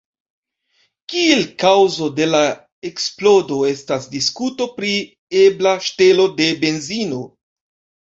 Kiel kaŭzo de la eksplodo estas diskuto pri ebla ŝtelo de benzino.